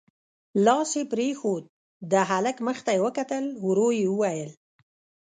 لاس يې پرېښود، د هلک مخ ته يې وکتل، ورو يې وويل: